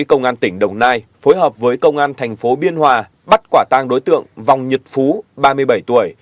công an tỉnh đồng nai phối hợp với công an thành phố biên hòa bắt quả tang đối tượng vòng nhật phú ba mươi bảy tuổi